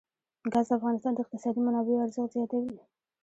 ګاز د افغانستان د اقتصادي منابعو ارزښت زیاتوي.